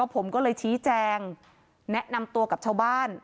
ผมก็เลยชี้แจงแนะนำตัวกับชาวบ้าน